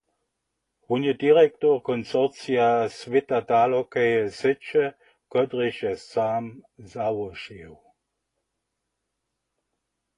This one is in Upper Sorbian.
Wón je direktor konsorcija swětadalokeje syće, kotryž je sam załožił.